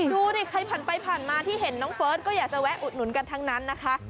ดูดิใครผ่านไปผ่านมาที่เห็นน้องเฟิร์สก็อยากจะแวะอุดหนุนกันทั้งนั้นนะคะ